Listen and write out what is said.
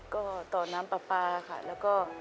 ก็ต่อน้ำปลาปลาค่ะแล้วก็